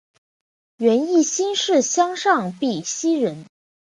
袁翼新市乡上碧溪人。